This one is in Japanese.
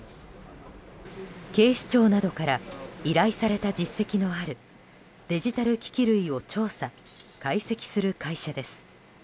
警視庁などから依頼された実績のあるデジタル機器類を調査・解析する会社です。